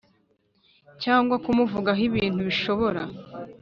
cyangwa kumuvugaho ibintu bishobora